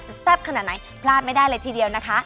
แซ่บขนาดไหนพลาดไม่ได้เลยทีเดียวนะคะ